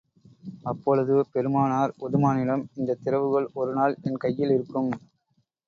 அப்பொழுது பெருமானார் உதுமானிடம், இந்தத் திறவுகோல் ஒரு நாள் என் கையில் இருக்கும்.